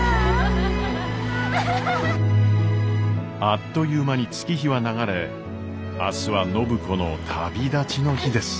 あっという間に月日は流れ明日は暢子の旅立ちの日です。